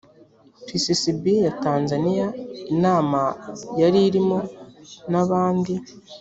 pccb ya tanzaniya inama yari irimo n abandi